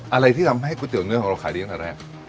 อะไรที่รับให้กุลเตี่ยวเนื้อของเราขายดีกว่าแรก